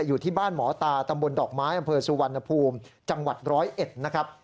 อยู่ที่บ้านหมอตาตำบลดอกไม้อำเภอสุวรรณภูมิจังหวัด๑๐๑นะครับ